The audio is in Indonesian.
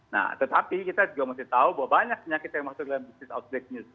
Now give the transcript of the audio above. nah tetapi kita juga masih tahu bahwa banyak penyakit yang masuk dalam bisnis outbreak news